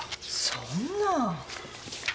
そんな。